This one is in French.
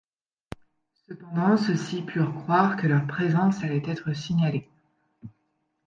Cependant ceux-ci purent croire que leur présence allait être signalée.